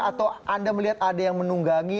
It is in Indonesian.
atau anda melihat ada yang menunggangi